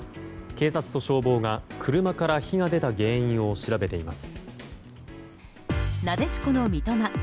警察と消防が、車から火が出た原因を調べています。